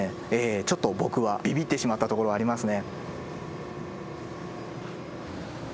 ちょっと僕はビビってしまったところはありますね。